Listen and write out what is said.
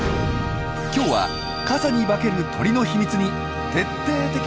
今日は傘に化ける鳥の秘密に徹底的に迫ります。